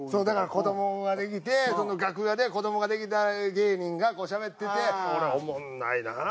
だから子どもができて楽屋で子どもができた芸人がしゃべっててこれおもんないな。